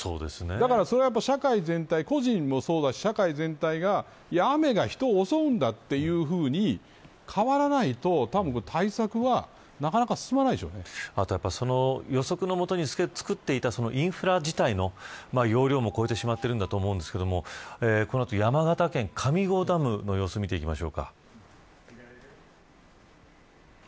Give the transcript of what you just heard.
だから社会全体個人もそうだし社会全体が雨が人を襲うんだというふうに変わらないと対策は予測のもとに作っていたインフラ自体の容量も超えてしまっているんだと思うんですがこの後、山形県上郷ダムの様子を見ていきます。